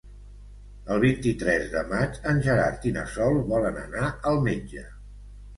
El vint-i-tres de maig en Gerard i na Sol volen anar al metge.